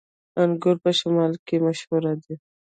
انګور په شمالی کې مشهور دي